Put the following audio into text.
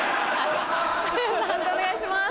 判定お願いします。